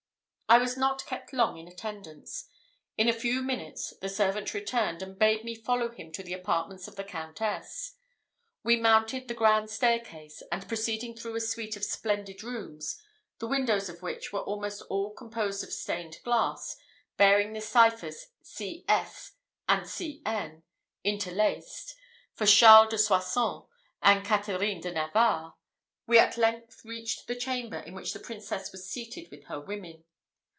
I was not kept long in attendance. In a few minutes the servant returned, and bade me follow him to the apartments of the Countess. We mounted the grand staircase, and proceeding through a suite of splendid rooms, the windows of which were almost all composed of stained glass, bearing the ciphers C. S. and C. N. interlaced, for Charles de Soissons and Catherine de Navarre, we at length reached the chamber in which the Princess was seated with her women.